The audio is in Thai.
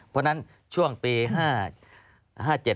เพราะฉะนั้นช่วงปี๕๕๗